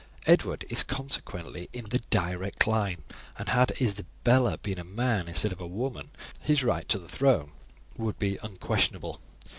Edward is consequently in the direct line, and had Isabella been a man instead of a woman his right to the throne would be unquestionable.